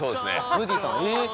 ムーディさんえっ！？